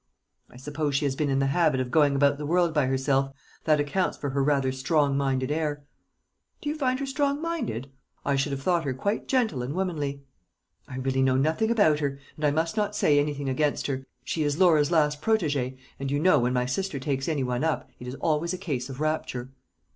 "I suppose she has been in the habit of going about the world by herself. That accounts for her rather strong minded air." "Do you find her strong minded? I should have thought her quite gentle and womanly." "I really know nothing about her; and I must not say anything against her. She is Laura's last protégée; and you know, when my sister takes any one up, it is always a case of rapture."